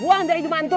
buang dari hidung antum